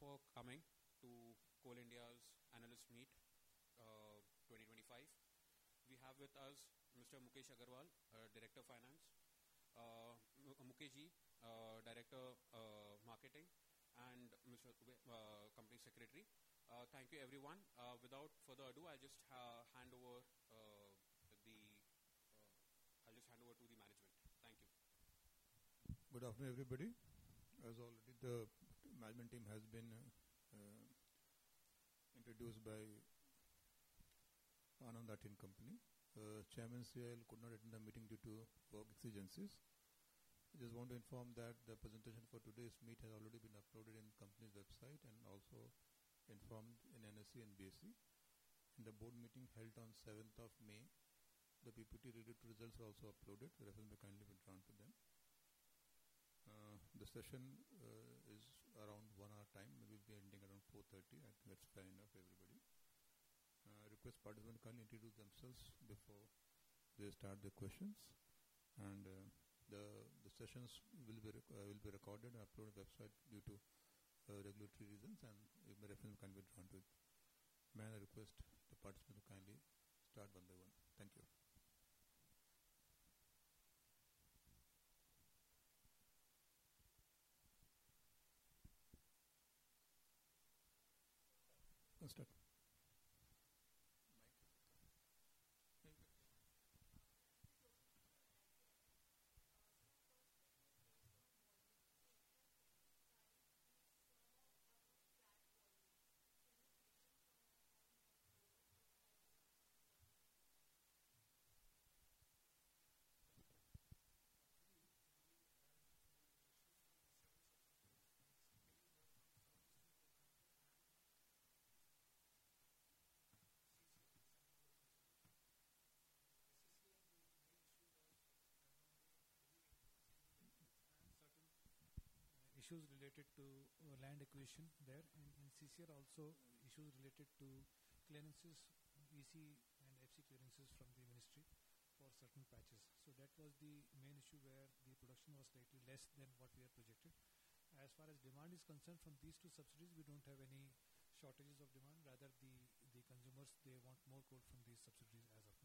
Thank you all for coming to Coal India's Analysts Meet, 2025. We have with us Mr. Mukesh Agrawal, Director of Finance. Mukesh Ji, Director, Marketing, and Mr. B.P. Dubey, Company Secretary. Thank you, everyone. Without further ado, I'll just hand over to the management. Thank you. Good afternoon, everybody. As already, the management team has been introduced by Anand Rathi and Company. Chairman CIL could not attend the meeting due to work exigencies. I just want to inform that the presentation for today's meet has already been uploaded on the company's website and also informed NSE and BSE. The board meeting held on 7th of May. The PPT related to results are also uploaded. The reference may kindly be referred to them. The session is around one hour time. We'll be ending around 4:30 P.M. I think that's fair enough, everybody. I request participants can introduce themselves before they start their questions. The sessions will be recorded and uploaded to the website due to regulatory reasons, and the reference can be referred to it. May I request the participants to kindly start one by one? Thank you. issues related to land acquisition there. And SECL also issues related to clearances EC and FC clearances from the ministry for certain patches. So that was the main issue where the production was slightly less than what we had projected. As far as demand is concerned, from these two subsidiaries, we don't have any shortages of demand. Rather, the consumers, they want more coal from these subsidiaries as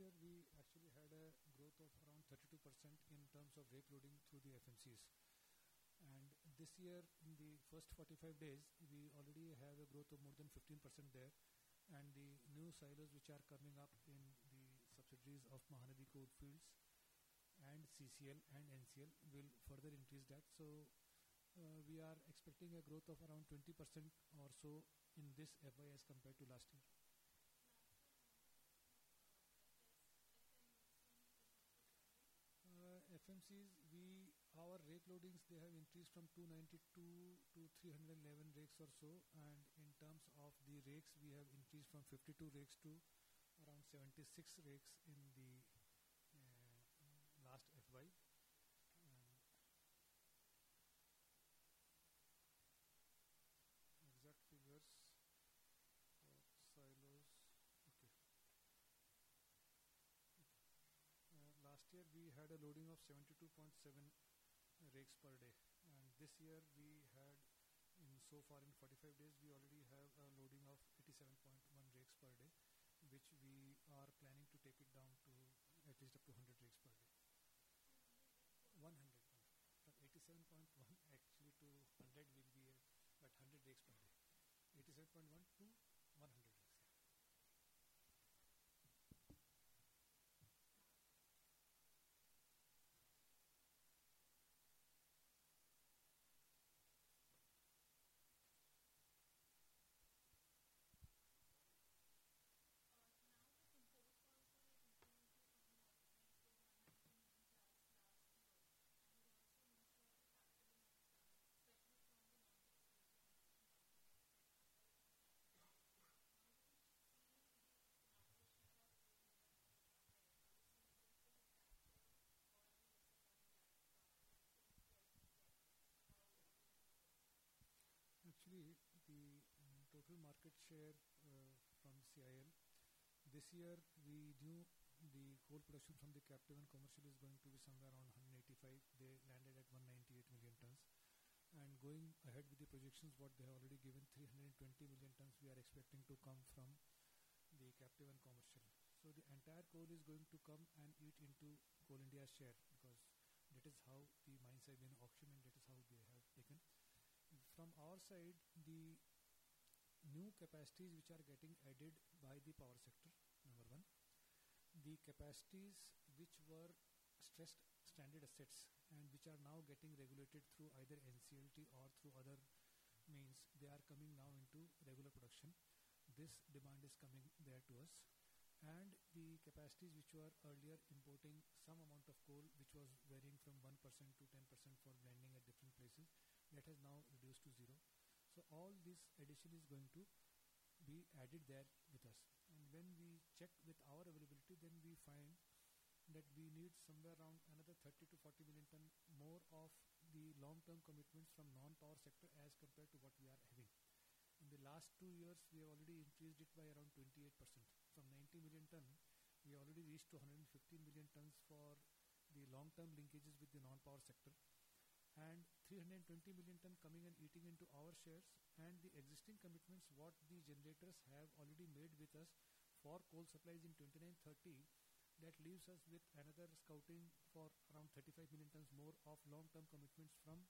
Last year, we actually had a growth of around 32% in terms of rake loading through the FMCs. And this year, in the first 45 days, we already have a growth of more than 15% there. And the new silos which are coming up in the subsidiaries of Mahanadi Coalfields Limited and CCL and NCL will further increase that. So, we are expecting a growth of around 20% or so in this FY as compared to last year. Last year, FS, FMCs increased to 200? FMCs, our rail loadings, they have increased from 292 to 311 rakes or so. In terms of the rakes, we have increased from 52 rakes to around 76 rakes in the last FY. Exact figures of silos, okay. Okay. Last year, we had a loading of 72.7 rakes per day. This year, so far in 45 days, we already have a loading of 87.1 rakes per day, which we are planning to take up to at least 100 rakes per day. To 100? From 87.1 actually to 100 will be at 100 rakes per day. 87.1 to 100 rakes. Okay. Now that the coal price rate is going to increase at 2.9% last year, we also need to have a capital investment. That's not only the management team that is involved in the project. How do you see the collaboration of the management team and the CIL? Or do you expect that it will be less than about 100? Actually, the total market share from CIL this year, we knew the coal production from the captive and commercial is going to be somewhere around 185. They landed at 198 million tons. And going ahead with the projections, what they have already given, 320 million tons, we are expecting to come from the captive and commercial. So the entire coal is going to come and eat into Coal India's share because that is how the mines have been auctioned, and that is how they have taken. From our side, the new capacities which are getting added by the power sector, number one, the capacities which were stressed and stranded assets and which are now getting regulated through either NCLT or through other means, they are coming now into regular production. This demand is coming there to us. The capacities which were earlier importing some amount of coal, which was varying from 1%-10% for blending at different places, that has now reduced to zero. So all this addition is going to be added there with us. And when we check with our availability, then we find that we need somewhere around another 30 million-40 million tons more of the long-term commitments from non-power sector as compared to what we are having. In the last two years, we have already increased it by around 28%. From 90 million tons, we already reached 215 million tons for the long-term linkages with the non-power sector. And 320 million tons coming and eating into our shares. The existing commitments, what the generators have already made with us for coal supplies in 2029-2030, that leaves us with another sourcing for around 35 million tons more of long-term commitments from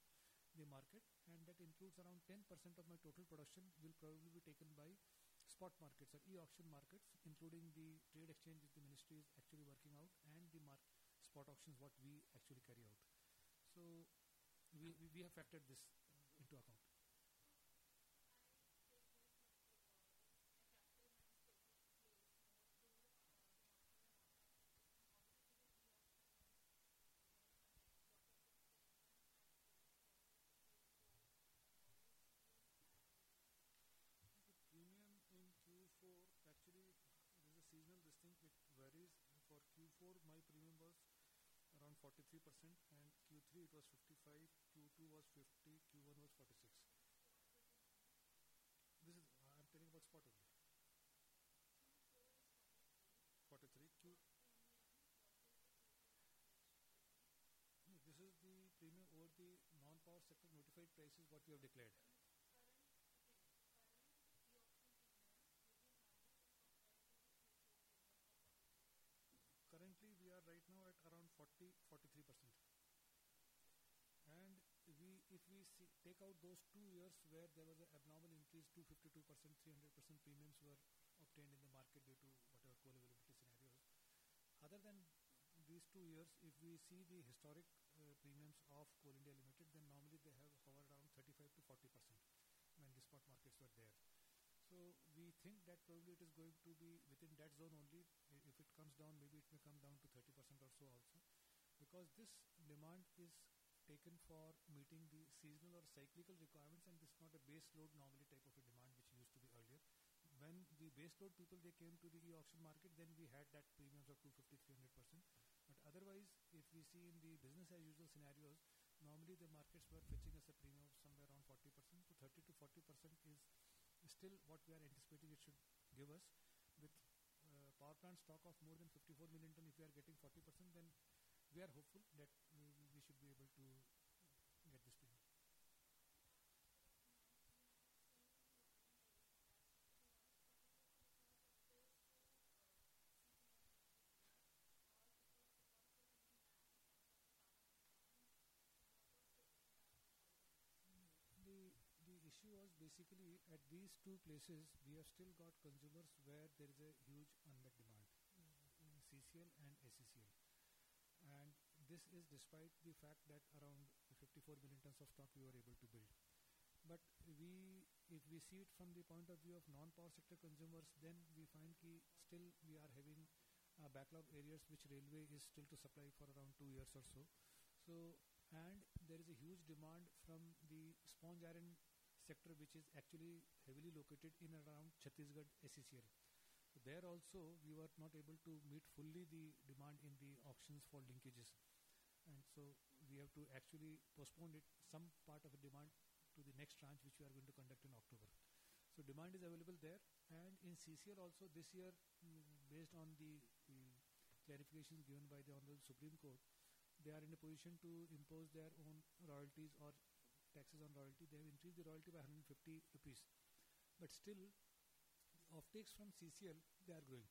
the market. And that includes around 10% of our total production will probably be taken by spot markets or e-auction markets, including the trade exchange that the ministry is actually working out and the market spot auctions what we actually carry out. So we have factored this into account. Okay. I take this much for all. The captive and the coalfield, so the marketing and the acquisition, how do you see the e-auction and the local competition and the captive and the coalfield. So how do you see the impact? The premium in Q4 actually, there's a seasonal discount which varies. For Q4, my premium was around 43%. And Q3, it was 55%. Q2 was 50%. Q1 was 46%. Spot is the premium? This is. I'm telling about spot only. Q4 is 43. 43. Q. The premium versus the total average? No, this is the premium over the non-power sector notified prices what we have declared. Current e-Auction premium, you can tell us, compared to the Q4 premium of the previous year? Currently, we are right now at around 40%-43%. And we, if we take out those two years where there was an abnormal increase, 252%, 300% premiums were obtained in the market due to whatever coal availability scenarios. Other than these two years, if we see the historical premiums of Coal India Limited, then normally they have hovered around 35%-40% when the spot markets were there. So we think that probably it is going to be within that zone only. If it comes down, maybe it may come down to 30% or so also because this demand is taken for meeting the seasonal or cyclical requirements. And it's not a base load normally type of a demand which used to be earlier. When the base load people, they came to the e-auction market, then we had that premiums of 250%-300%. But otherwise, if we see in the business as usual scenarios, normally the markets were fetching us a premium of somewhere around 40%. So 30%-40% is still what we are anticipating it should give us. With power plant stock of more than 54 million tons, if we are getting 40%, then we are hopeful that we should be able to get this premium. Okay. So now you have so many different places. So I specifically saw that first coal, CCL, and SECL, all the coal supplies were getting back from the power companies. So how do you say the impact of all this? The issue was basically at these two places. We have still got consumers where there is a huge unmet demand in CCL and SECL. And this is despite the fact that around 54 million tons of stock we were able to build. But we, if we see it from the point of view of non-power sector consumers, then we find we still are having backlog areas which railway is still to supply for around two years or so. And there is a huge demand from the sponge iron sector which is actually heavily located in and around Chhattisgarh, SECL. So there also, we were not able to meet fully the demand in the auctions for linkages. And so we have to actually postpone some part of the demand to the next tranche which we are going to conduct in October. Demand is available there. In CCL also, this year, based on the clarifications given by the Honorable Supreme Court, they are in a position to impose their own royalties or taxes on royalty. They have increased the royalty by INR 150. Still, the offtakes from CCL, they are growing.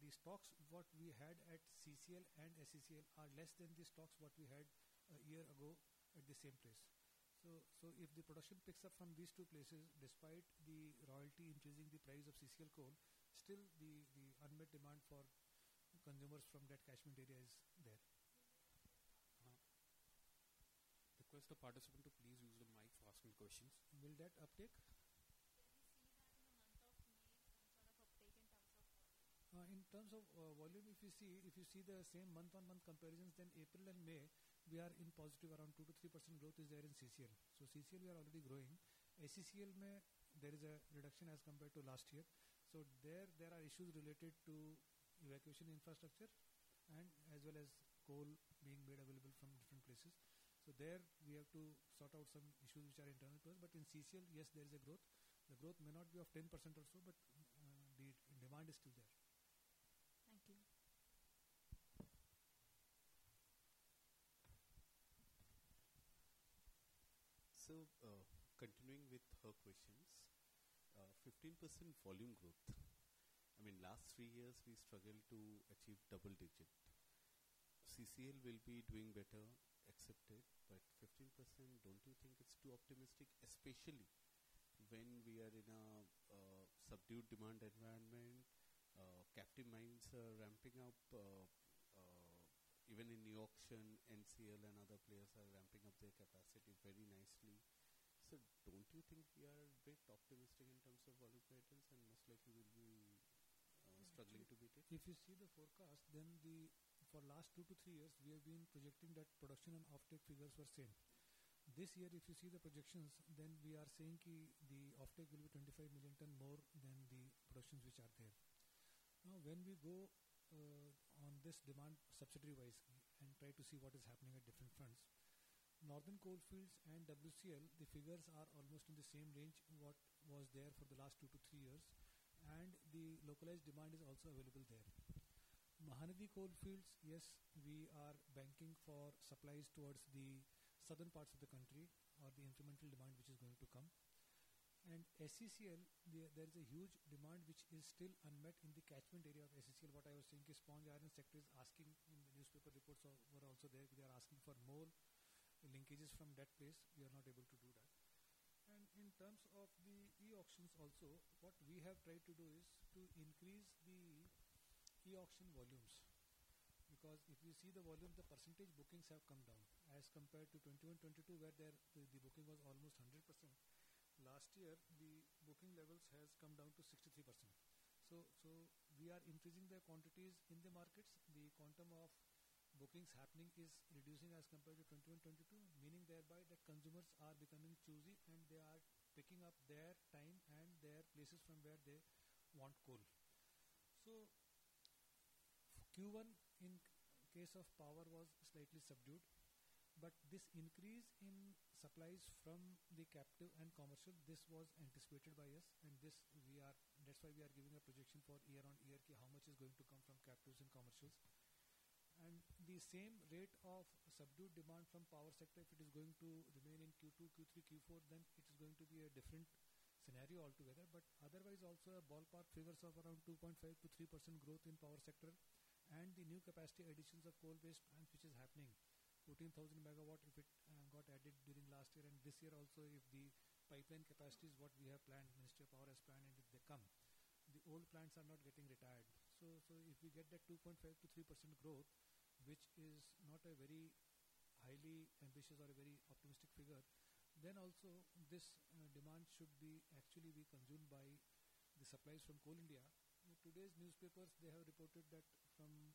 The stocks what we had at CCL and SECL are less than the stocks what we had a year ago at the same place. If the production picks up from these two places, despite the royalty increasing the price of CCL coal, still the unmet demand for consumers from that catchment area is there. Will it uptake? Huh? Request the participant to please use the mic for asking questions. Will that uptake? Can you see that in the month of May in terms of uptake in terms of volume? In terms of volume, if you see, if you see the same month-on-month comparisons than April and May, we are in positive around 2%-3% growth is there in CCL. So CCL, we are already growing. SECL, there is a reduction as compared to last year. So there, there are issues related to evacuation infrastructure and as well as coal being made available from different places. So there we have to sort out some issues which are internal to us. But in CCL, yes, there is a growth. The growth may not be of 10% or so, but the demand is still there. Thank you. Continuing with her questions, 15% volume growth. I mean, last three years we struggled to achieve double digit. CCL will be doing better, accepted. But 15%, don't you think it's too optimistic, especially when we are in a subdued demand environment? Captive mines are ramping up, even in the auction, NCL and other players are ramping up their capacity very nicely. So don't you think we are a bit optimistic in terms of volume patterns and most likely will be struggling to meet it? If you see the forecast, then for the last two to three years, we have been projecting that production and offtake figures were the same. This year, if you see the projections, then we are saying that the offtake will be 25 million tons more than the production which is there. Now, when we go on this demand subsidiary-wise and try to see what is happening at different fronts, Northern Coalfields and WCL, the figures are almost in the same range as what was there for the last two to three years, and the localized demand is also available there. Mahanadi Coalfields, yes, we are banking for supplies towards the southern parts of the country or the incremental demand which is going to come, and SECL, there is a huge demand which is still unmet in the catchment area of SECL. What I was saying is the sponge iron sector is asking, in the newspaper reports were also there. They are asking for more linkages from that place. We are not able to do that. And in terms of the e-auctions also, what we have tried to do is to increase the e-auction volumes because if you see the volume, the percentage bookings have come down. As compared to 2021, 2022 where there the booking was almost 100%, last year the booking levels has come down to 63%. So, so we are increasing the quantities in the markets. The quantum of bookings happening is reducing as compared to 2021, 2022, meaning thereby that consumers are becoming choosy and they are picking up their time and their places from where they want coal. So Q1 in case of power was slightly subdued. But this increase in supplies from the captive and commercial, this was anticipated by us. And this we are that's why we are giving a projection for year-on-year key how much is going to come from captives and commercials. And the same rate of subdued demand from power sector, if it is going to remain in Q2, Q3, Q4, then it is going to be a different scenario altogether. But otherwise also, a ballpark figures of around 2.5%-3% growth in power sector. And the new capacity additions of coal-based plants which is happening, 14,000 megawatt if it got added during last year. And this year also, if the pipeline capacity is what we have planned, Ministry of Power has planned, and if they come, the old plants are not getting retired. So, if we get that 2.5%-3% growth, which is not a very highly ambitious or a very optimistic figure, then also this demand should actually be consumed by the supplies from Coal India. Today's newspapers, they have reported that from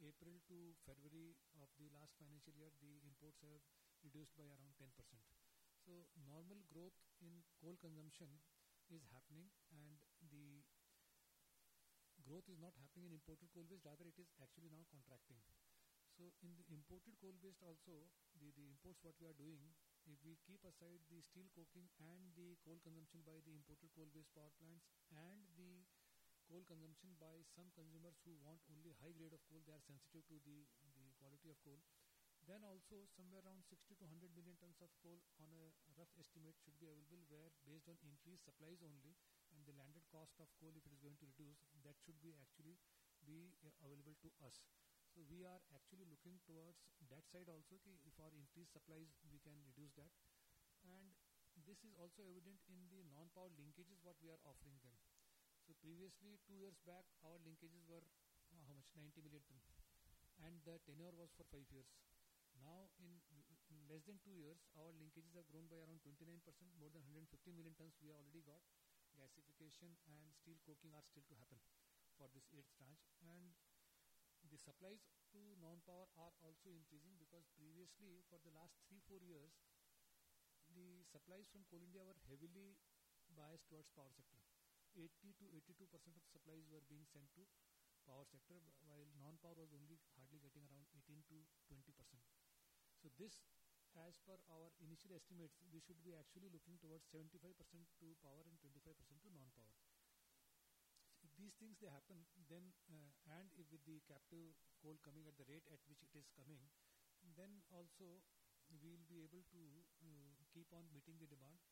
April to February of the last financial year, the imports have reduced by around 10%. Normal growth in coal consumption is happening. The growth is not happening in imported coal-based. Rather, it is actually now contracting. So in the imported coal-based also, the imports what we are doing, if we keep aside the steel coking and the coal consumption by the imported coal-based power plants and the coal consumption by some consumers who want only high grade of coal, they are sensitive to the quality of coal, then also somewhere around 60 million-100 million tons of coal on a rough estimate should be available where based on increased supplies only and the landed cost of coal if it is going to reduce, that should actually be available to us. So we are actually looking towards that side also key if our increased supplies we can reduce that. And this is also evident in the non-power linkages what we are offering them. So previously, two years back, our linkages were how much? 90 million tons. And the tenure was for five years. Now, in less than two years, our linkages have grown by around 29%. More than 150 million tons we have already got. Gasification and steel coking are still to happen for this eighth tranche. And the supplies to non-power are also increasing because previously for the last three, four years, the supplies from Coal India were heavily biased towards power sector. 80%-82% of the supplies were being sent to power sector while non-power was only hardly getting around 18%-20%. So this, as per our initial estimates, we should be actually looking towards 75% to power and 25% to non-power. So if these things, they happen, then and if with the captive coal coming at the rate at which it is coming, then also we'll be able to, keep on meeting the demand.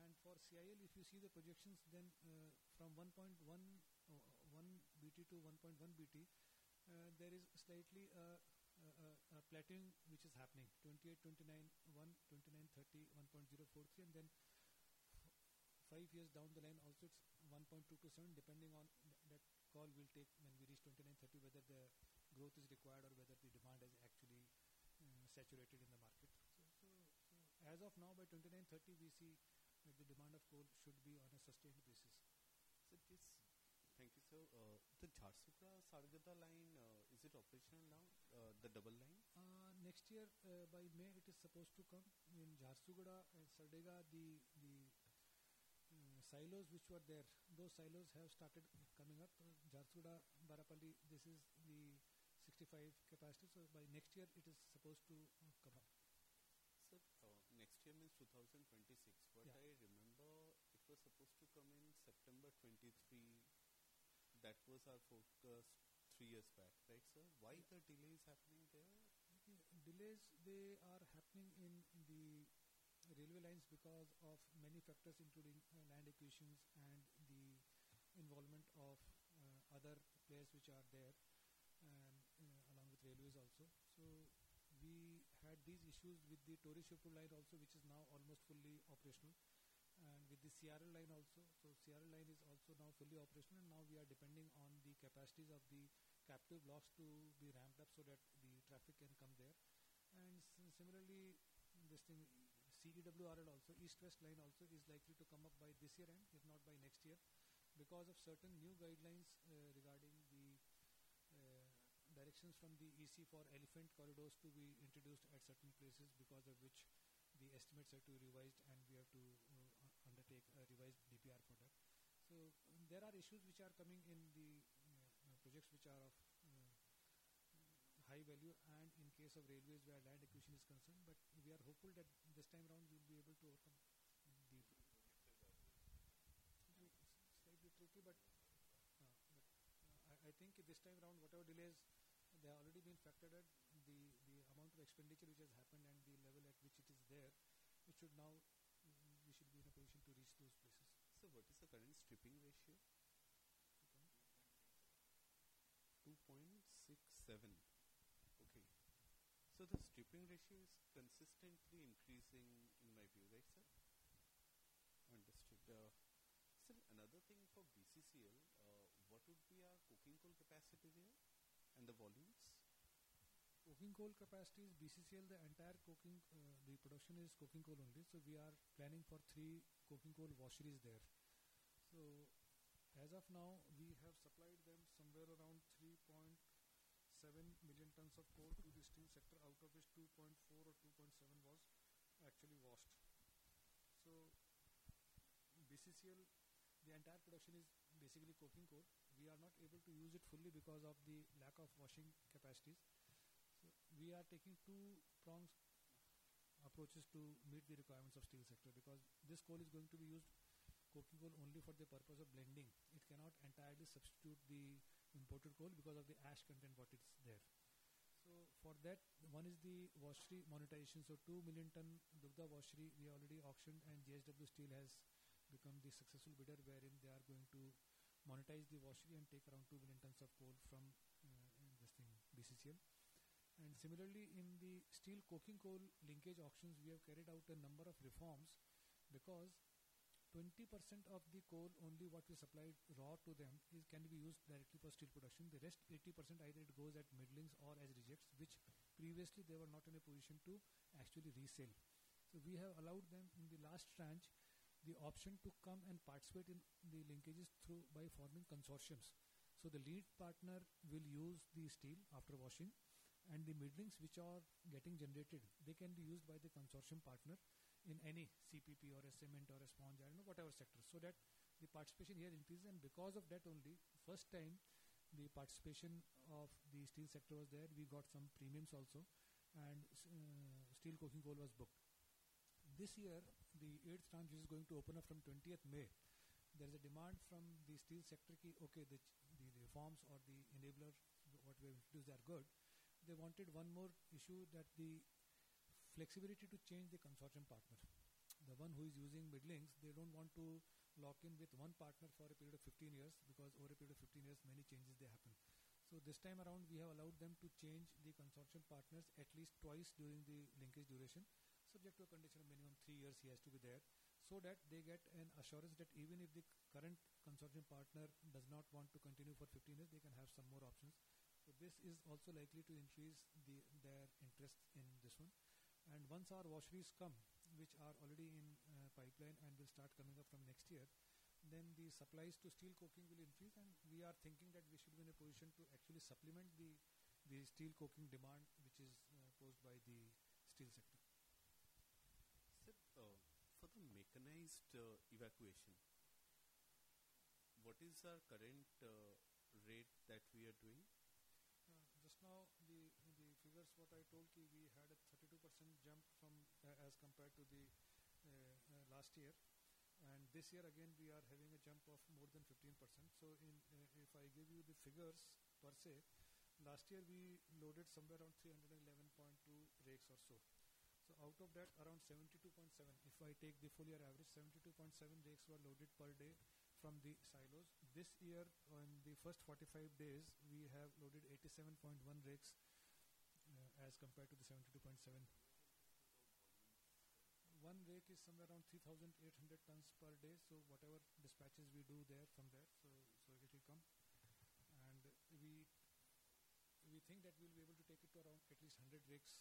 And for CIL, if you see the projections, then from 1.1 BT-1.1 BT, there is slightly a plateauing which is happening in 2028-2029, in 2029-2030, 1.043. And then five years down the line also, it is 1.227 depending on that call we will take when we reach 2029-2030, whether the growth is required or whether the demand is actually saturated in the market. So as of now, by 2029-2030, we see that the demand of coal should be on a sustained basis. Thank you. The Jharsuguda-Sardega line, is it operational now, the double line? Next year, by May, it is supposed to come in Jharsuguda and Sardega. The silos which were there, those silos have started coming up. Jharsuguda-Barpali, this is the 65 capacity. So by next year, it is supposed to come up. Sir, next year means 2026. But I remember it was supposed to come in September 2023. That was our focus three years back, right, sir? Why the delays happening there? Okay. Delays, they are happening in the railway lines because of many factors including land acquisitions and the involvement of other players which are there and along with railways also. So we had these issues with the Tori-Shivpur line also, which is now almost fully operational. And with the Tori-Shivpur line also. So Tori-Shivpur line is also now fully operational. And now we are depending on the capacities of the captive blocks to be ramped up so that the traffic can come there. And similarly, this thing, CEWRL also, East West Line also is likely to come up by this year end, if not by next year because of certain new guidelines regarding the directions from the EC for elephant corridors to be introduced at certain places because of which the estimates are to be revised. And we have to undertake a revised DPR for that. There are issues which are coming in the projects which are of high value. In case of railways where land acquisition is concerned, we are hopeful that this time around we'll be able to overcome the. Slightly tricky. Slightly tricky. But I think this time around, whatever delays, they have already been factored at the amount of expenditure which has happened and the level at which it is there, it should now we should be in a position to reach those places. So what is the current stripping ratio? 2.67. Okay. So the stripping ratio is consistently increasing in my view, right, sir? Understood. Sir, another thing for BCCL, what would be our coking coal capacity there and the volumes? Coking coal capacity is BCCL, the entire coking, the production is coking coal only. So we are planning for three coking coal washeries there. So as of now, we have supplied them somewhere around 3.7 million tons of coal to the steam sector. Out of which 2.4 or 2.7 was actually washed. So BCCL, the entire production is basically coking coal. We are not able to use it fully because of the lack of washing capacities. So we are taking two prongs approaches to meet the requirements of steel sector because this coal is going to be used coking coal only for the purpose of blending. It cannot entirely substitute the imported coal because of the ash content what it's there. So for that, one is the washery monetization. So 2 million ton Dugda washery we already auctioned. JSW Steel has become the successful bidder wherein they are going to monetize the washery and take around 2 million tons of coal from BCCL. Similarly, in the steel coking coal linkage auctions, we have carried out a number of reforms because 20% of the coal only what we supplied raw to them can be used directly for steel production. The rest 80% either it goes at middlings or as rejects, which previously they were not in a position to actually resell. So we have allowed them in the last tranche the option to come and participate in the linkages through by forming consortiums. So the lead partner will use the steel after washing. The middlings which are getting generated, they can be used by the consortium partner in any CPP or cement or a sponge iron, whatever sector. So that the participation here increases. And because of that only, first time the participation of the steel sector was there, we got some premiums also. And steel coking coal was booked. This year, the eighth tranche which is going to open up from 20th May, there is a demand from the steel sector key, okay, the reforms or the enabler what we have introduced are good. They wanted one more issue that the flexibility to change the consortium partner. The one who is using middlings, they don't want to lock in with one partner for a period of 15 years because over a period of 15 years, many changes they happen. So this time around, we have allowed them to change the consortium partners at least twice during the linkage duration, subject to a condition of minimum three years he has to be there. So that they get an assurance that even if the current consortium partner does not want to continue for 15 years, they can have some more options. So this is also likely to increase their interest in this one. And once our washeries come, which are already in pipeline and will start coming up from next year, then the supplies to steel coking will increase. And we are thinking that we should be in a position to actually supplement the steel coking demand which is posed by the steel sector. Sir, for the mechanized evacuation, what is our current rate that we are doing? Just now, the figures what I told key we had a 32% jump from as compared to the last year. And this year again, we are having a jump of more than 15%. So, if I give you the figures per se, last year we loaded somewhere around 311.2 rakes or so. So out of that, around 72.7. If I take the full year average, 72.7 rakes were loaded per day from the silos. This year, on the first 45 days, we have loaded 87.1 rakes, as compared to the 72.7. What is the total volume? One rake is somewhere around 3,800 tons per day. So whatever dispatches we do there from there, so it will come. And we think that we will be able to take it to around at least 100 rakes,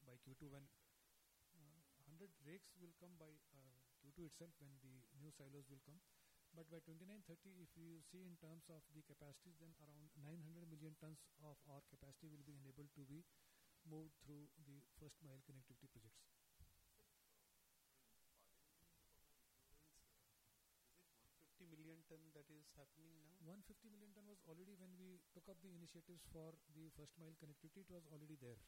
by Q2 when 100 rakes will come by Q2 itself when the new silos will come. But by 2029, 2030, if you see in terms of the capacities, then around 900 million tons of our capacity will be enabled to be moved through the first mile connectivity projects. Sir, for the improvements, is it 150 million tons that is happening now? 150 million ton was already when we took up the initiatives for the first mile connectivity, it was already there.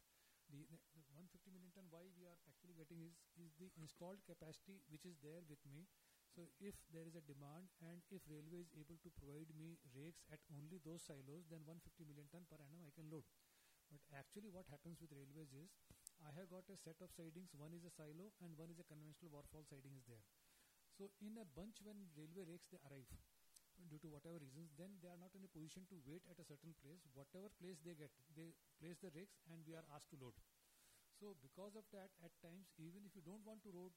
The 150 million ton why we are actually getting is the installed capacity which is there with me. So if there is a demand and if railway is able to provide me rakes at only those silos, then 150 million ton per annum I can load. But actually what happens with railways is I have got a set of sidings. One is a silo and one is a conventional wagon tippler siding is there. So in a bunch when railway rakes, they arrive due to whatever reasons, then they are not in a position to wait at a certain place. Whatever place they get, they place the rakes and we are asked to load. Because of that, at times, even if you don't want to load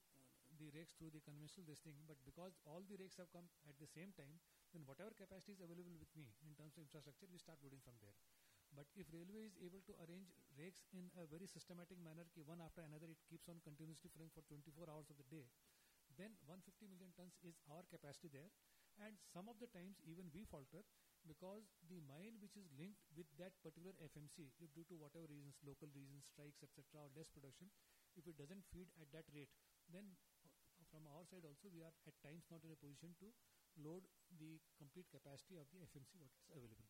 the rakes through the conventional listing, but because all the rakes have come at the same time, then whatever capacity is available with me in terms of infrastructure, we start loading from there. But if railway is able to arrange rakes in a very systematic manner, queue one after another, it keeps on continuously filling for 24 hours of the day, then 150 million tons is our capacity there. And some of the times, even we falter because the mine which is linked with that particular FMC, if due to whatever reasons, local reasons, strikes, et cetera, or less production, if it doesn't feed at that rate, then from our side also, we are at times not in a position to load the complete capacity of the FMC what is available.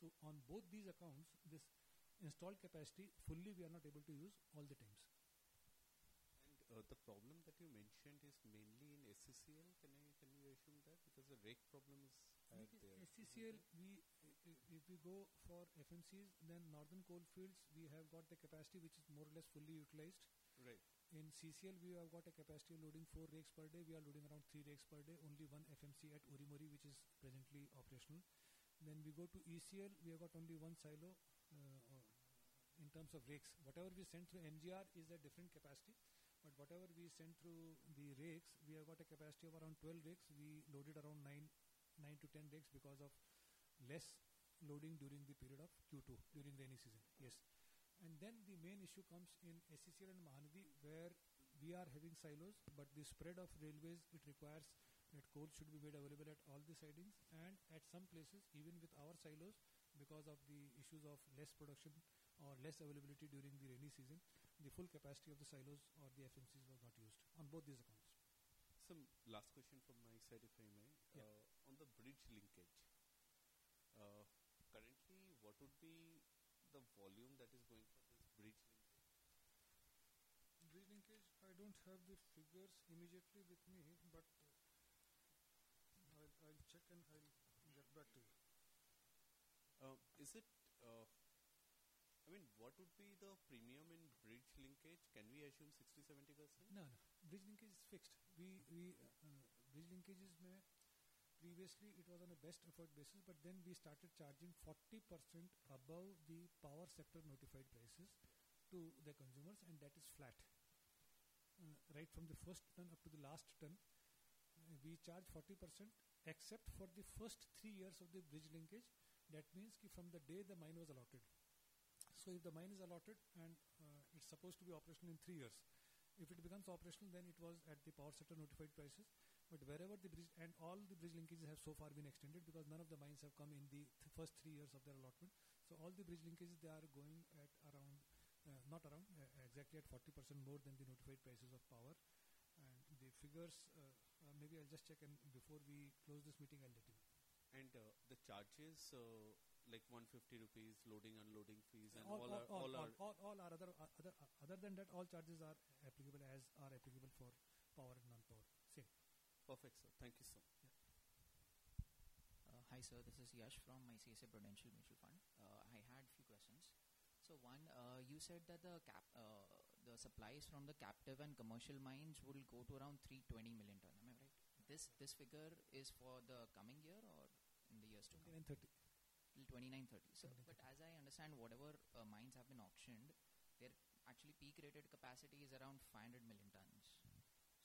So on both these accounts, this installed capacity fully we are not able to use all the times. The problem that you mentioned is mainly in SECL. Can I, can you assume that? Because the rake problem is out there. In SECL, we, if we go for FMCs, then Northern Coalfields, we have got the capacity which is more or less fully utilized. Right. In CCL, we have got a capacity of loading four rakes per day. We are loading around three rakes per day, only one FMC at Urimari, which is presently operational. Then we go to ECL, we have got only one silo, in terms of rakes. Whatever we send through MGR is a different capacity. But whatever we send through the rakes, we have got a capacity of around 12 rakes. We loaded around nine, nine to 10 rakes because of less loading during the period of Q2, during rainy season. Yes, and then the main issue comes in SECL and Mahanadi where we are having silos, but the spread of railways, it requires that coal should be made available at all the sidings. At some places, even with our silos, because of the issues of less production or less availability during the rainy season, the full capacity of the silos or the FMCs was not used on both these accounts. Sir, last question from my side, if I may? Yes. On the bridge linkage, currently, what would be the volume that is going for this bridge linkage? Bridge Linkage, I don't have the figures immediately with me, but I'll check and I'll get back to you. Is it, I mean, what would be the premium in bridge linkage? Can we assume 60%-70%? No, no. Bridge linkage is fixed. Bridge linkages previously, it was on a best effort basis. But then we started charging 40% above the power sector notified prices to the consumers. And that is shortfall, right from the first ton up to the last ton. We charge 40% except for the first three years of the bridge linkage. That means right from the day the mine was allotted. So if the mine is allotted and, it's supposed to be operational in three years, if it becomes operational, then it was at the power sector notified prices. But all the bridge linkages have so far been extended because none of the mines have come in the first three years of their allotment. So all the bridge linkages, they are going at around, not around, exactly at 40% more than the notified prices of power. And the figures, maybe I'll just check, and before we close this meeting, I'll let you know. The charges, like 150 rupees loading unloading fees and all are. All other than that, all charges are applicable as are applicable for power and non-power. Same. Perfect, sir. Thank you, sir. Yeah. Hi, sir. This is Yash from ICICI Prudential Mutual Fund. I had a few questions. So one, you said that the cap, the supplies from the captive and commercial mines will go to around 320 million ton. Am I right? This figure is for the coming year or in the years to come? 2029, 2030. Until 2029, 2030. So, but as I understand, whatever mines have been auctioned, their actually peak rated capacity is around 500 million tons.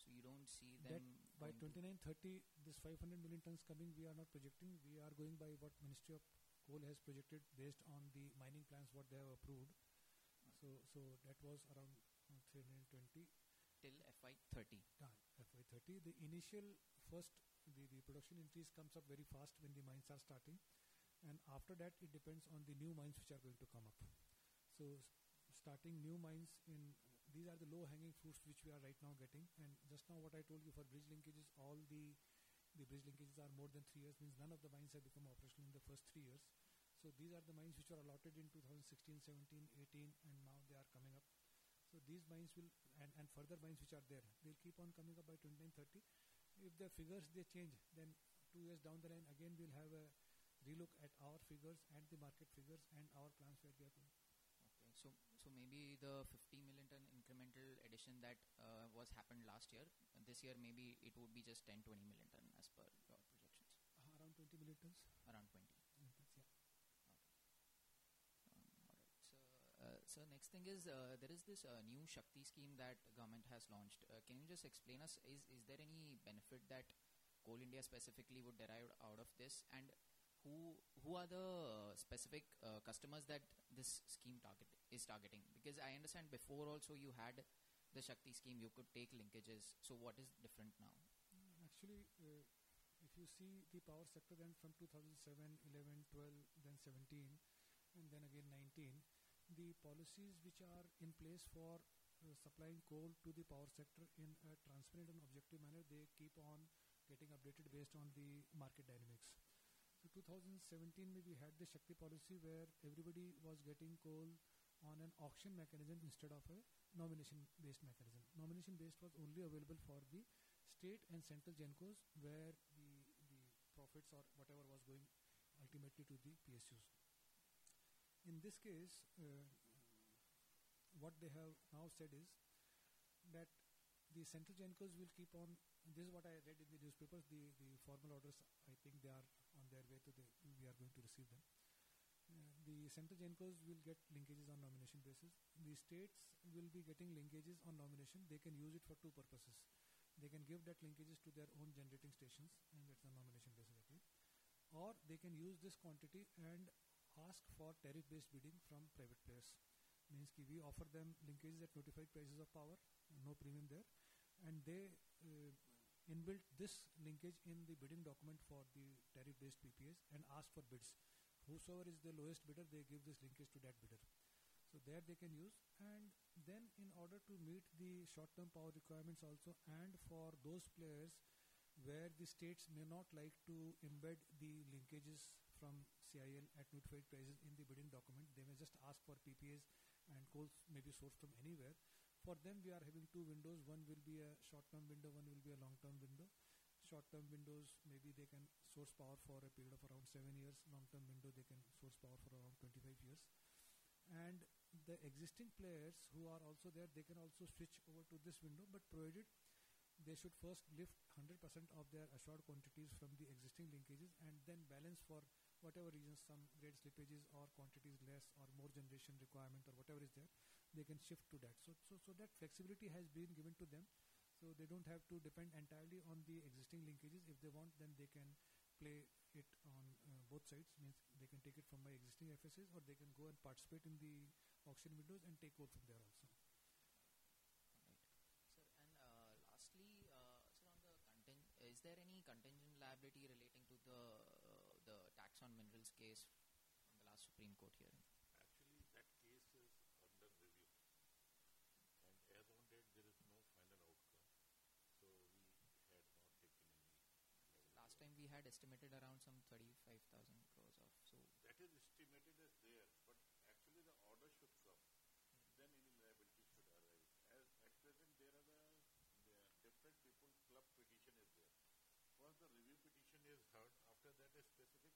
So you don't see them. By 2029, 2030, this 500 million tons coming, we are not projecting. We are going by what Ministry of Coal has projected based on the mining plans what they have approved. So that was around 320. Till FY 2030? Done. FY 2030. The initial first production increase comes up very fast when the mines are starting, and after that, it depends on the new mines which are going to come up, so starting new mines in these are the low hanging fruits which we are right now getting, and just now what I told you for bridge linkages, all the bridge linkages are more than three years. Means none of the mines have become operational in the first three years, so these are the mines which are allotted in 2016, 2017, 2018, and now they are coming up, so these mines will and further mines which are there, they'll keep on coming up by 2029, 2030. If the figures they change, then two years down the line, again we'll have a relook at our figures and the market figures and our plans where they are going. Okay. So maybe the 50 million ton incremental addition that was happened last year, this year maybe it would be just 10 million-20 million ton as per your projections. Around 20 million tons. Around 20. Yeah. Okay. All right. So next thing is, there is this new SHAKTI scheme that the government has launched. Can you just explain us, is there any benefit that Coal India specifically would derive out of this? And who are the specific customers that this scheme target is targeting? Because I understand before also you had the SHAKTI scheme, you could take linkages. So what is different now? Actually, if you see the power sector then from 2007, 2011, 2012, then 2017, and then again 2019, the policies which are in place for supplying coal to the power sector in a transparent and objective manner, they keep on getting updated based on the market dynamics. So 2017, we had the SHAKTI policy where everybody was getting coal on an auction mechanism instead of a nomination-based mechanism. Nomination-based was only available for the state and central Gencos where the profits or whatever was going ultimately to the PSUs. In this case, what they have now said is that the central Gencos will keep on, this is what I read in the newspapers, the formal orders, I think they are on their way to the, we are going to receive them. The central Gencos will get linkages on nomination basis. The states will be getting linkages on nomination. They can use it for two purposes. They can give those linkages to their own generating stations and get on nomination basis again or they can use this quantity and ask for tariff-based bidding from private players. Means we offer them linkages at notified prices for power, no premium there. and they embed this linkage in the bidding document for the tariff-based PPAs and ask for bids. Whosoever is the lowest bidder, they give this linkage to that bidder. so there they can use. and then in order to meet the short-term power requirements also, and for those players where the states may not like to embed the linkages from CIL at notified prices in the bidding document, they may just ask for PPAs and coal may be sourced from anywhere. For them, we are having two windows. One will be a short-term window, one will be a long-term window. Short-term windows, maybe they can source power for a period of around seven years. Long-term window, they can source power for around 25 years, and the existing players who are also there, they can also switch over to this window, but prohibited. They should first lift 100% of their assured quantities from the existing linkages and then balance for whatever reasons, some great slippages or quantities less or more generation requirement or whatever is there, they can shift to that. So, that flexibility has been given to them. So they don't have to depend entirely on the existing linkages. If they want, then they can play it on both sides. Means they can take it from my existing FSAs or they can go and participate in the auction windows and take coal from there also. All right. Sir, and, lastly, sir, on the content, is there any contingent liability relating to the tax on minerals case on the last Supreme Court hearing? Actually, that case is under review. And as of date, there is no final outcome. So we had not taken any liability. Last time we had estimated around some 35,000 crores of, so. That is estimated as there. But actually, the order should come, then any liability should arise. As at present, there is the different SLP petition there. Once the review petition is heard, after that a specific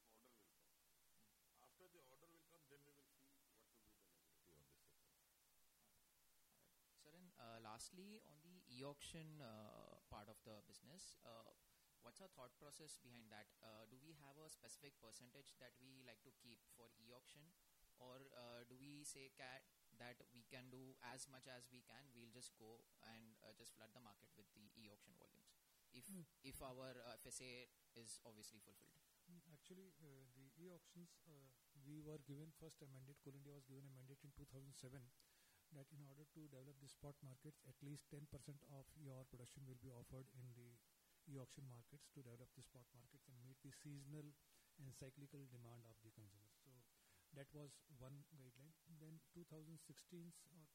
order will come. After the order will come, then we will see what to do the liability on this sector. All right. Sir, and lastly, on the e-auction part of the business, what's our thought process behind that? Do we have a specific percentage that we like to keep for e-auction? Or do we say that we can do as much as we can, we'll just go and just flood the market with the e-auction volumes if our FSA is obviously fulfilled? Actually, the e-auctions, we were given first amendment. Coal India was given amendment in 2007 that in order to develop the spot markets, at least 10% of your production will be offered in the e-auction markets to develop the spot markets and meet the seasonal and cyclical demand of the consumers. So that was one guideline. Then 2016,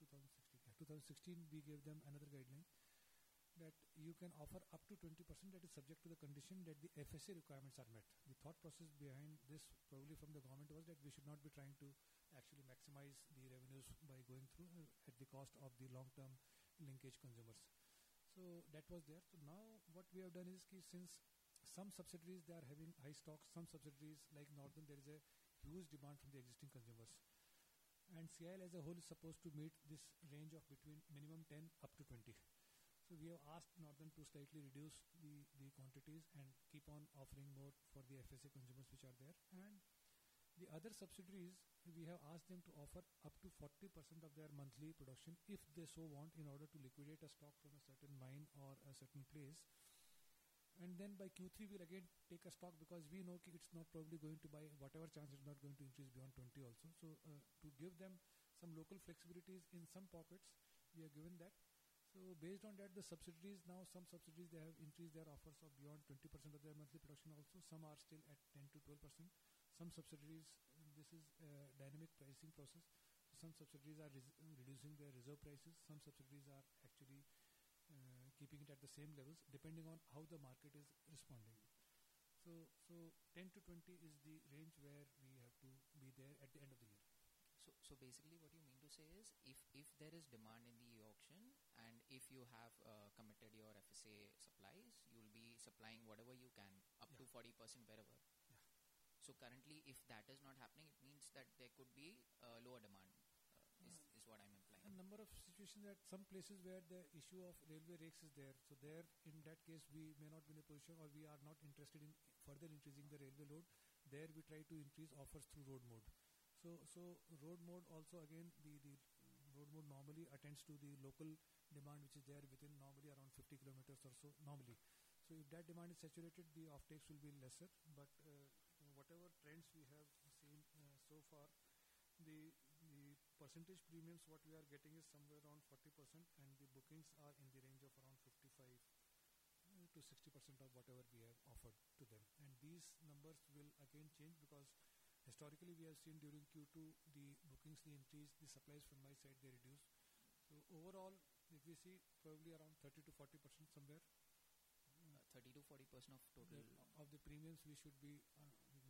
2016, yeah, 2016, we gave them another guideline that you can offer up to 20% that is subject to the condition that the FSA requirements are met. The thought process behind this probably from the government was that we should not be trying to actually maximize the revenues by going through at the cost of the long-term linkage consumers. So that was there. So now what we have done is key since some subsidiaries, they are having high stocks, some subsidiaries like Northern, there is a huge demand from the existing consumers. CIL as a whole is supposed to meet this range of between minimum 10% up to 20%. We have asked Northern to slightly reduce the quantities and keep on offering more for the FSA consumers which are there. The other subsidiaries, we have asked them to offer up to 40% of their monthly production if they so want in order to liquidate a stock from a certain mine or a certain place. By Q3, we'll again take a stock because we know it's not probably going to buy whatever chance is not going to increase beyond 20% also. To give them some local flexibilities in some pockets, we have given that. Based on that, the subsidiaries now, some subsidiaries, they have increased their offers of beyond 20% of their monthly production also. Some are still at 10%-12%. Some subsidiaries, this is a dynamic pricing process. Some subsidiaries are reducing their reserve prices. Some subsidiaries are actually keeping it at the same levels depending on how the market is responding. So 10%-20% is the range where we have to be there at the end of the year. So, basically what you mean to say is if there is demand in the e-auction and if you have committed your FSA supplies, you'll be supplying whatever you can up to 40% wherever. Yeah. Currently, if that is not happening, it means that there could be a lower demand, is what I'm implying. A number of situations that some places where the issue of railway rakes is there. So there, in that case, we may not be in a position or we are not interested in further increasing the railway load. There we try to increase offers through road mode. So road mode also, again, the road mode normally attends to the local demand which is there within normally around 50 km or so. So if that demand is saturated, the offtakes will be lesser. But, whatever trends we have seen, so far, the percentage premiums what we are getting is somewhere around 40% and the bookings are in the range of around 55%-60% of whatever we have offered to them. And these numbers will again change because historically we have seen during Q2, the bookings, the increase, the supplies from my side, they reduced. So overall, if we see probably around 30%-40% somewhere. 30%-40% of total. Of the premiums we should probably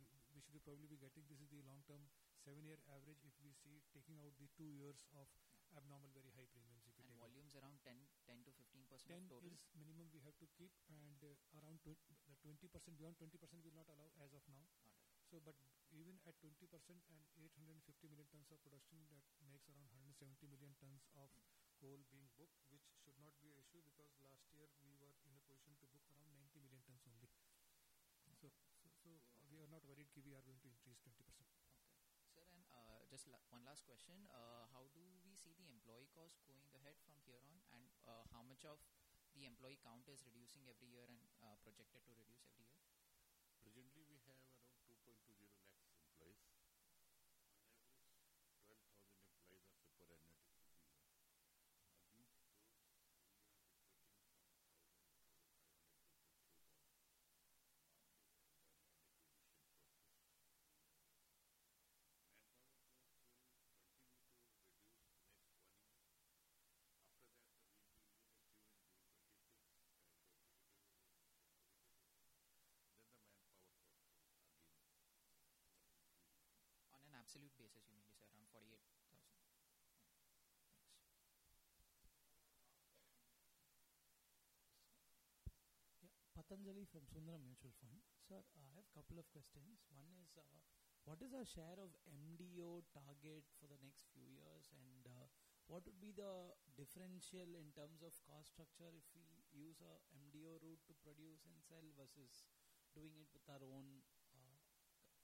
be getting. This is the long-term seven-year average if we see taking out the two years of abnormal very high premiums if you take. Volumes around 10%-15% total. 10 is minimum we have to keep and around 20. The 20% beyond 20% will not allow as of now. All right. So, but even at 20% and 850 million tons of production, that makes around 170 million tons of coal being booked, which should not be an issue because last year we were in a position to book around 90 million tons only. So, we are not worried. We are going to increase 20%. Okay. Sir, and just one last question, how do we see the employee cost going ahead from here on and how much of the employee count is reducing every year and projected to reduce every year? Presently, we have around INR 2.20 lakhs employees. On average, 12,000 employees are superannuated every year. At these stages, we are expecting some 1,000-1,500 to go through the market and then the liquidation process to be done. Manpower cost will continue to reduce the next one year. After that, the window we have given to 26 and the liquidated will continue to decrease. Then the manpower cost will again increase. On an absolute basis, you mean it's around 48,000? Thanks. Yeah. Pathanjali from Sundaram Mutual Fund. Sir, I have a couple of questions. One is, what is our share of MDO target for the next few years and, what would be the differential in terms of cost structure if we use a MDO route to produce and sell versus doing it with our own,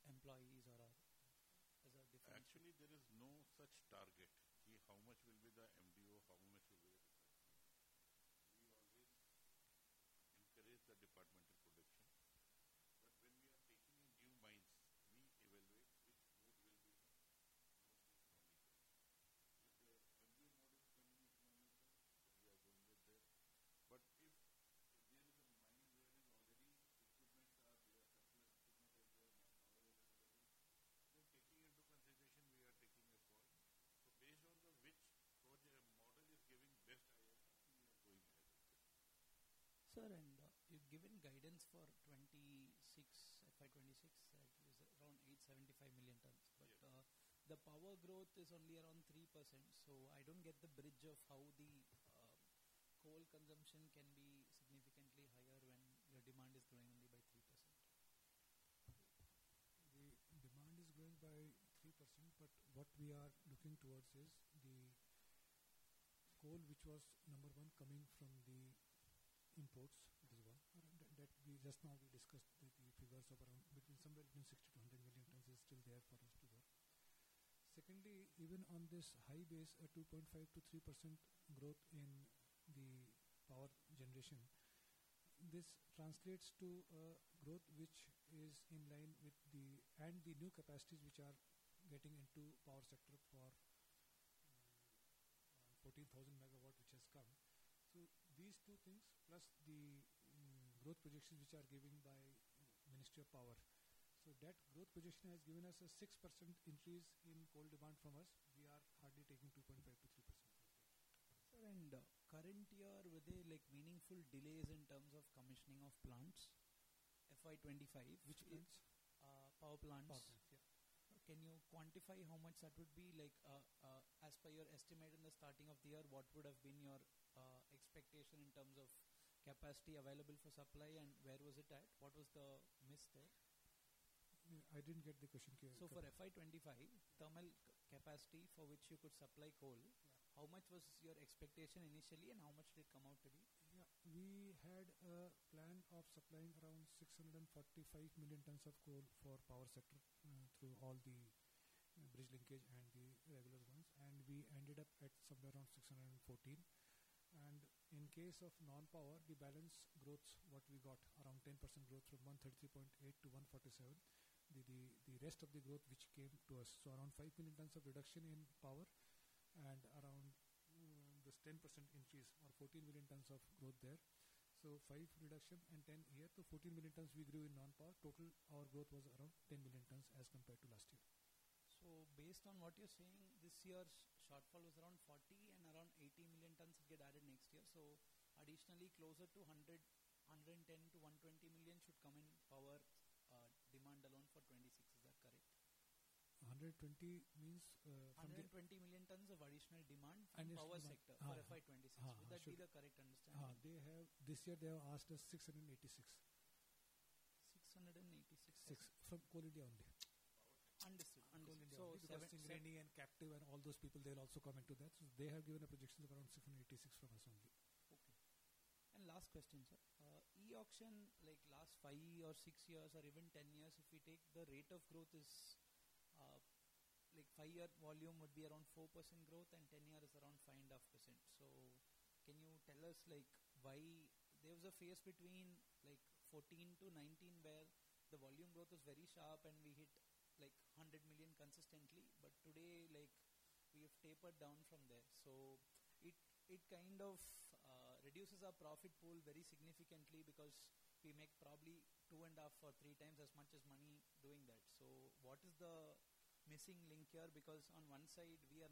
employees or as a different? Actually, there is no such target. Okay, how much will be the MDO, how much will be the differential. We always encourage the departmental production. But when we are taking new mines, we evaluate which mode will be most economical. If the MDO mode is going economical, then we are going with that. But if there is a mine where already equipment are there, surplus equipment is there, manpower is available, then taking into consideration we are taking a call. So based on which project model is giving best IRR, we are going ahead with that. Sir, and you've given guidance for FY 2026 that is around 875 million tons. But the power growth is only around 3%. So I don't get the bridge of how the coal consumption can be significantly higher when the demand is growing only by 3%. The demand is growing by 3%, but what we are looking towards is the coal which was number one coming from the imports as well. That we just now discussed the figures of around somewhere between 60 million-100 million tons is still there for us to go. Secondly, even on this high base, a 2.5%-3% growth in the power generation, this translates to a growth which is in line with the and the new capacities which are getting into power sector for 14,000 MW which has come. So these two things plus the growth projections which are given by Ministry of Power. So that growth projection has given us a 6% increase in coal demand from us. We are hardly taking 2.5%-3%. Sir, in current year, were there like meaningful delays in terms of commissioning of plants? FY 2025, which means, power plants. Power plants, yeah. Can you quantify how much that would be? Like, as per your estimate at the start of the year, what would have been your expectation in terms of capacity available for supply and where was it at? What was the miss there? Yeah, I didn't get the question clear. So for FY25, thermal capacity for which you could supply coal, how much was your expectation initially and how much did it come out to be? Yeah, we had a plan of supplying around 645 million tons of coal for power sector through all the bridge linkage and the regular ones. We ended up at somewhere around 614. In case of non-power, the balance growth, what we got around 10% growth from 133.8-147. The rest of the growth which came to us. Around five million tons of reduction in power and around, this 10% increase or 14 million tons of growth there. Five reduction and 10 here. So 14 million tons we grew in non-power. Total our growth was around 10 million tons as compared to last year. So based on what you're saying, this year's shortfall was around 40 and around 80 million tons get added next year. So additionally, closer to 100 million, 110 million-120 million should come in power, demand alone for 2026. Is that correct? 120 means, 120. 120 million tons of additional demand for power sector for FY 2026. Would that be the correct understanding? They have this year, they have asked us 686. 686. Six from Coal India only. Understood. So it's the Western India and Captive and all those people, they'll also come into that. So they have given a projection of around 686 from us only. Okay. And last question, sir. e-auction, like last five or six years or even 10 years, if we take the rate of growth is, like five-year volume would be around 4% growth and 10 years is around 5.5%. So can you tell us like why there was a phase between like 14-19 where the volume growth was very sharp and we hit like 100 million consistently? But today, like we have tapered down from there. So it kind of reduces our profit pool very significantly because we make probably two and a half or three times as much money doing that. So what is the missing link here? Because on one side, we are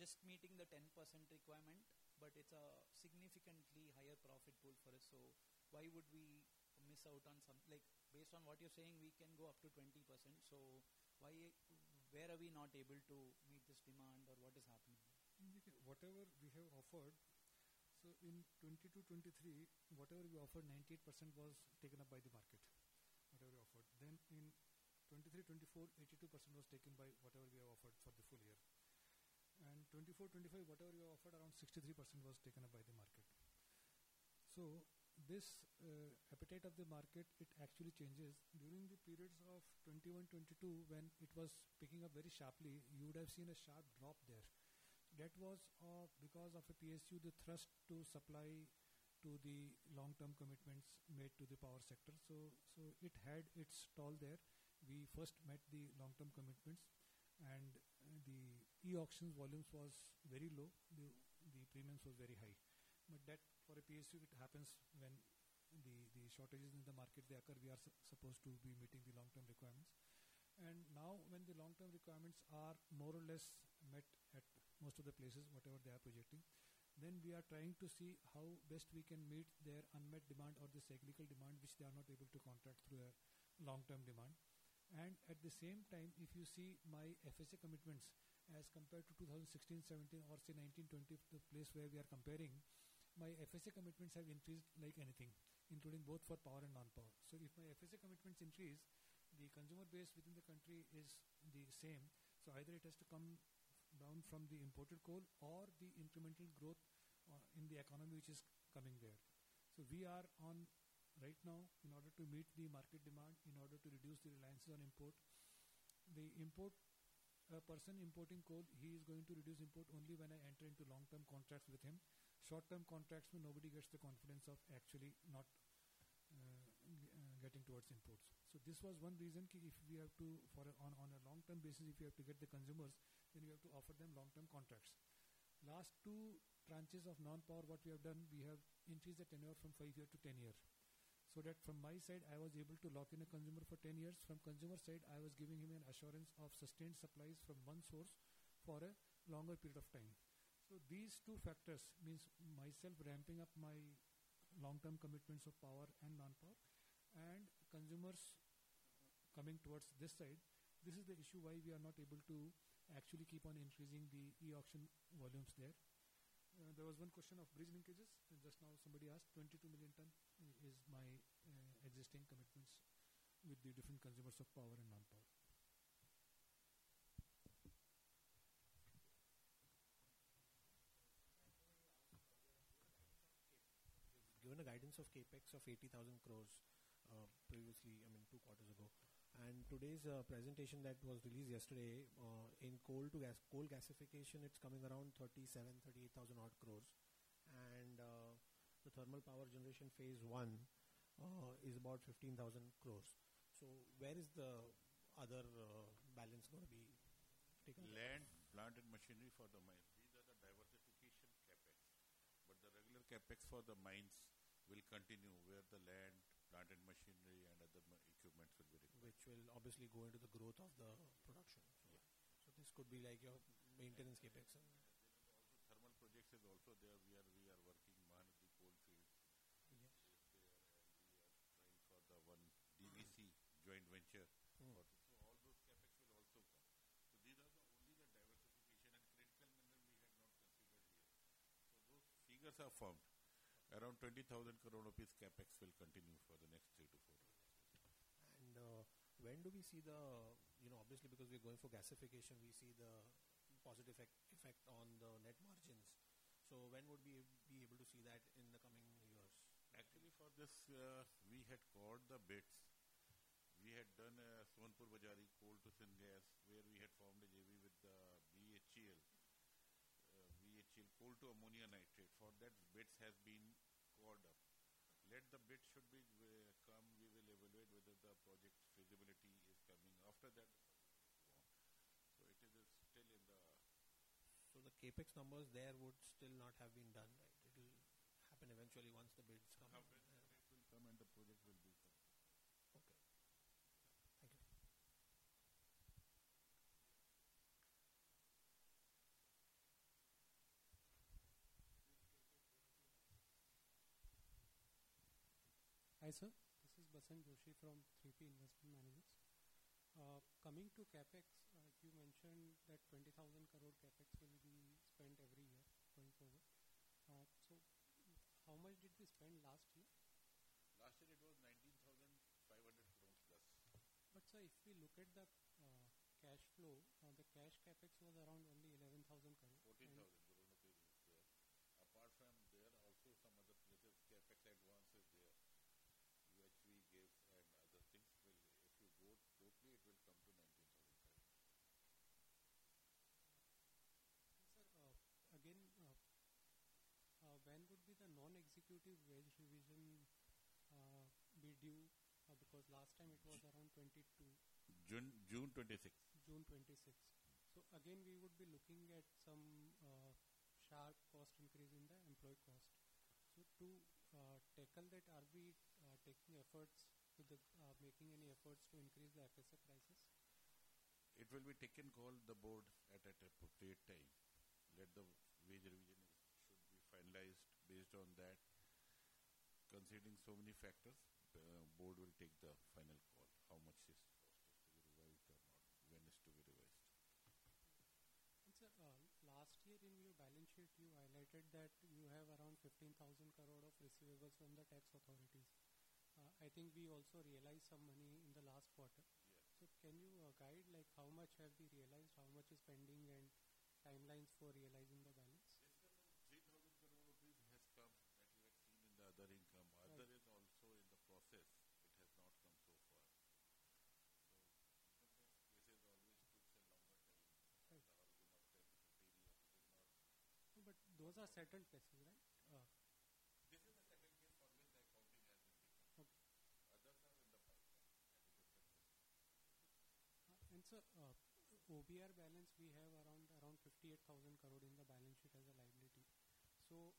just meeting the 10% requirement, but it's a significantly higher profit pool for us. Why would we miss out on some, like, based on what you're saying, we can go up to 20%. Why, where are we not able to meet this demand, or what is happening? Whatever we have offered. So in 2022, 2023, whatever we offered, 98% was taken up by the market. Whatever we offered. Then in 2023, 2024, 82% was taken by whatever we have offered for the full year. And 2024, 2025, whatever we have offered, around 63% was taken up by the market. So this, appetite of the market, it actually changes. During the periods of 2021, 2022, when it was picking up very sharply, you would have seen a sharp drop there. That was, because of a PSU, the thrust to supply to the long-term commitments made to the power sector. So it had its toll there. We first met the long-term commitments and the e-auction volumes was very low. The premiums was very high. But that for a PSU, it happens when the shortages in the market, they occur. We are supposed to be meeting the long-term requirements. And now when the long-term requirements are more or less met at most of the places, whatever they are projecting, then we are trying to see how best we can meet their unmet demand or the cyclical demand which they are not able to contract through a long-term demand. And at the same time, if you see my FSA commitments as compared to 2016, 2017, or say 2019, 2020, the place where we are comparing, my FSA commitments have increased like anything, including both for power and non-power. So if my FSA commitments increase, the consumer base within the country is the same. So either it has to come down from the imported coal or the incremental growth in the economy which is coming there. So we are on right now in order to meet the market demand, in order to reduce the reliance on import. The importer person importing coal, he is going to reduce import only when I enter into long-term contracts with him. Short-term contracts where nobody gets the confidence of actually not getting towards imports. So this was one key reason if we have to on a long-term basis, if we have to get the consumers, then we have to offer them long-term contracts. Last two tranches of non-power, what we have done, we have increased the tenure from five years to 10 years. So that from my side, I was able to lock in a consumer for 10 years. From consumer side, I was giving him an assurance of sustained supplies from one source for a longer period of time. So these two factors means myself ramping up my long-term commitments of power and non-power and consumers coming towards this side. This is the issue why we are not able to actually keep on increasing the e-auction volumes there. There was one question of bridge linkages. Just now somebody asked, 22 million tons is my existing commitments with the different consumers of power and non-power. Given a guidance of CapEx of 80,000 crores previously, I mean two quarters ago, and today's presentation that was released yesterday, in coal to gas, coal gasification, it's coming around 37,000 crores-38,000 crores. And the thermal power generation phase one is about 15,000 crores, so where is the other balance going to be taken? Land, plant and machinery for the mines. These are the diversification CapEx. But the regular CapEx for the mines will continue where the land, plant and machinery and other equipment will be required. Which will obviously go into the growth of the production. Yeah. This could be like your maintenance CapEx. And then also thermal projects is also there where we are working mainly in the coalfields. Yes. Is there, and we are trying for the one DVC joint venture. So all those CapEx will also come. So these are only the diversification and critical mineral we had not considered here. So those figures are formed. Around 20,000 crore rupees CapEx will continue for the next 3-4 years. When do we see the, you know, obviously because we are going for gasification, we see the positive effect on the net margins? When would we be able to see that in the coming years? Actually for this, we had called the bids. We had done a Sonepur Bazari coal to syngas where we had formed a JV with the BHEL. BHEL coal to ammonium nitrate. For that, bids have been called up. Let the bids should be come, we will evaluate whether the project feasibility is coming after that. So it is still in the. So the CapEx numbers there would still not have been done, right? It will happen eventually once the bids come. It will come and the project will be done. Okay. Thank you. Hi, sir. This is Basant Joshi from 3P Investment Managers. Coming to CapEx, you mentioned that 20,000 crore CapEx will be spent every year going forward, so how much did we spend last year? Last year it was INR 19,500 crore plus. But sir, if we look at the cash flow, the cash CapEx was around only INR 11,000 crore. 14,000 crore there. Apart from there, also some other CapEx advance is there. UHV grade and other things will, if you go totally, it will come to INR 19,000 crore. Sir, again, when would be the non-executive wage revision be due? Because last time it was around 22. June 26. June 26. So again, we would be looking at some sharp cost increase in the employee cost. So to tackle that, are we making any efforts to increase the FSA prices? It will be taken up by the board at an appropriate time. Let the wage revision should be finalized based on that. Considering so many factors, the board will take the final call how much is required or not, when is to be revised. Sir, last year in your balance sheet, you highlighted that you have around 15,000 crore of receivables from the tax authorities. I think we also realized some money in the last quarter. Yes. So can you guide like how much have we realized, how much is pending and timelines for realizing the balance? Yes, sir, INR 3,000 crore has come that you have seen in the other income. Other is also in the process. It has not come so far. So this is always took some longer time. It has not been updated. It is not. But those are settled cases, right? This is a settled case only like accounting has been taken. Okay. Others are in the pipeline at a different level. Sir, OBR balance we have around 58,000 crore in the balance sheet as a liability. Like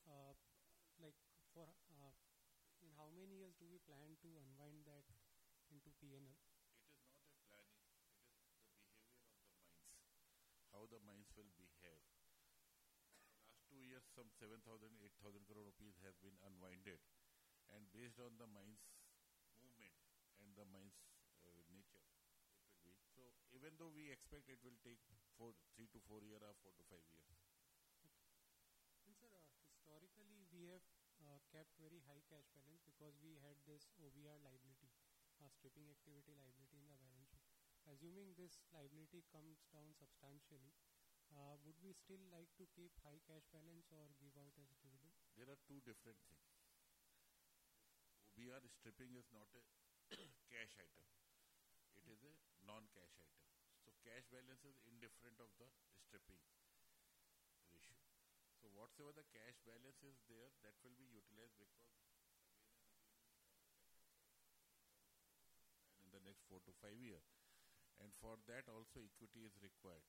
for, in how many years do we plan to unwind that into P&L? It is not a planning. It is the behavior of the mines. How the mines will behave. Last two years, some 7,000 crore-8,000 crore rupees have been unwound. And based on the mines movement and the mines nature, it will be. So even though we expect it will take three to four years or four to five years. Okay. And sir, historically we have kept very high cash balance because we had this OBR liability, stripping activity liability in the balance sheet. Assuming this liability comes down substantially, would we still like to keep high cash balance or give out as a dividend? There are two different things. OBR stripping is not a cash item. It is a non-cash item. So cash balance is indifferent of the stripping ratio. So whatever the cash balance is there, that will be utilized because again and again we have the cash balance. And in the next four to five years. And for that also, equity is required.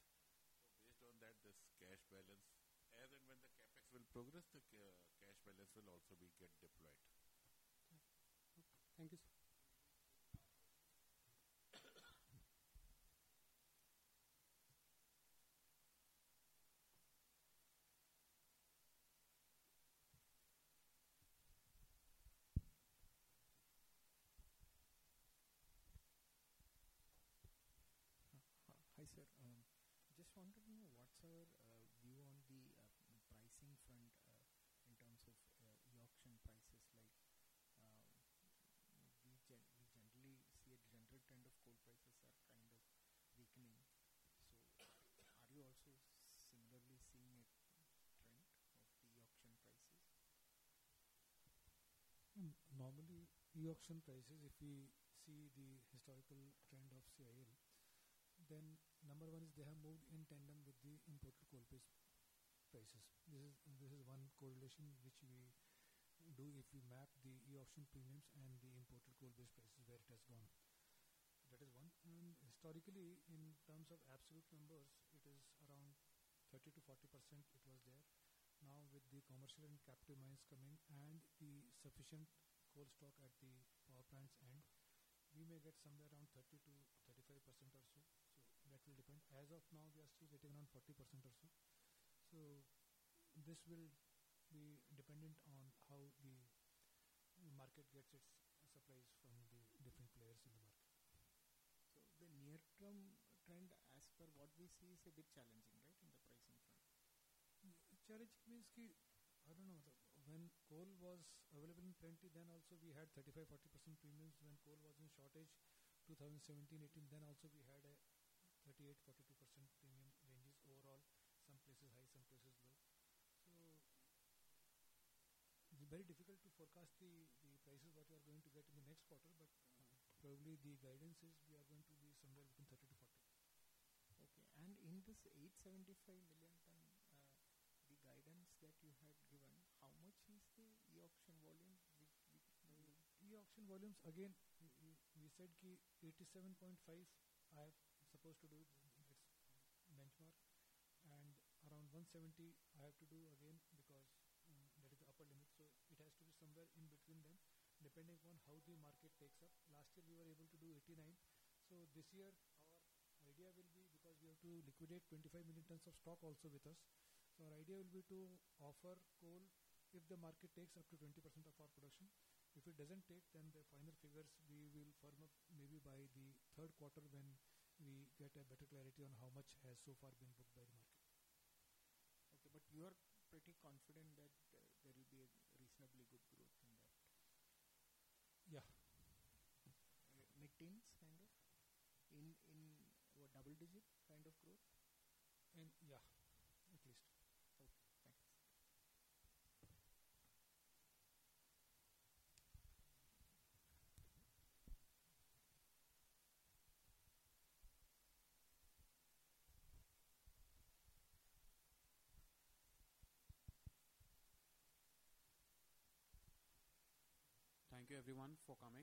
So based on that, this cash balance, as and when the CapEx will progress, the cash balance will also be get deployed. Okay. Thank you, sir. Hi sir, just wondering what's your view on the pricing front, in terms of e-auction prices. Like, we generally see a general trend of coal prices are kind of weakening. So are you also similarly seeing a trend of the e-auction prices? Normally, e-auction prices, if we see the historical trend of CIL, then number one is they have moved in tandem with the imported coal base prices. This is, this is one correlation which we do if we map the e-auction premiums and the imported coal base prices where it has gone. That is one. Historically, in terms of absolute numbers, it is around 30%-40% it was there. Now with the commercial and captive mines coming and the sufficient coal stock at the power plants end, we may get somewhere around 30%-35% or so. So that will depend. As of now, we are still waiting around 40% or so. So this will be dependent on how the market gets its supplies from the different players in the market. So the near-term trend as per what we see is a bit challenging, right, in the pricing front? Challenging means key, I don't know. When coal was available in plenty, then also we had 35%-40% premiums. When coal was in shortage 2017, 2018, then also we had a 38%-42% premium ranges overall. Some places high, some places low. So it's very difficult to forecast the prices what we are going to get in the next quarter. But probably the guidance is we are going to be somewhere between 30%-40%. Okay. And in this 875 million tons, the guidance that you had given, how much is the e-auction volume? e-Auction volumes, again, we said key 87.5. I have supposed to do it. That's the benchmark, and around 170, I have to do again because that is the upper limit, so it has to be somewhere in between them, depending upon how the market takes up. Last year we were able to do 89, so this year our idea will be because we have to liquidate 25 million tons of stock also with us, so our idea will be to offer coal if the market takes up to 20% of our production. If it doesn't take, then the final figures we will firm up maybe by the third quarter when we get a better clarity on how much has so far been booked by the market. Okay, but you are pretty confident that there will be a reasonably good growth in that? Yeah. Like tens kind of? In, in what, double digit kind of growth? Yeah. At least. Okay. Thanks. Thank you everyone for coming.